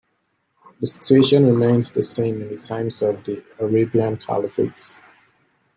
The situation remained the same in the times of the Arabian caliphate.